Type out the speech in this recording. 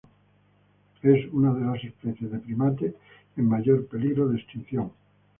Es una de las especies de primate en mayor peligro de extinción.